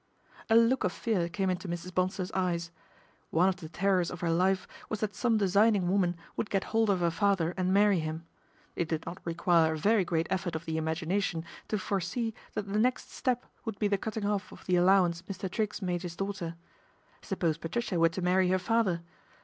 A look of fear came into Mrs. Bonsor's eyes. One of the terrors of her life was that some designing woman would get hold of her father and marry him. It did not require a very great effort of the imagination to foresee that the next step would be the cutting off of the allowance Mr. Triggs made his daughter. Suppose Patricia were to marry her father